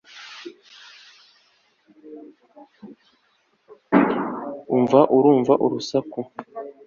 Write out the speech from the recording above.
Umva urumva urusaku